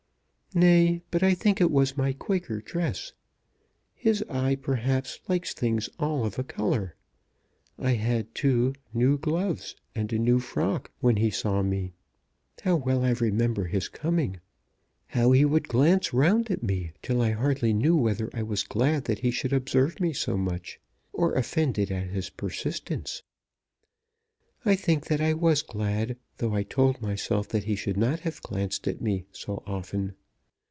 "Nay, but I think it was my Quaker dress. His eye, perhaps, likes things all of a colour. I had, too, new gloves and a new frock when he saw me. How well I remember his coming, how he would glance round at me till I hardly knew whether I was glad that he should observe me so much, or offended at his persistence. I think that I was glad, though I told myself that he should not have glanced at me so often.